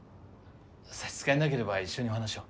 差し支えなければ一緒にお話を。